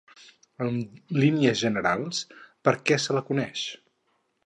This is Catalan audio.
En línies generals, per què se la coneix?